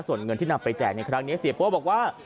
ส่วนเงินที่นำไปแจกในครั้งนี้เสียโป้บอกว่า